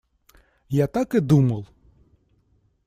Я так и думал!